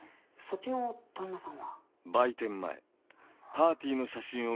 そっちの旦那さんは？